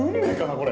これ。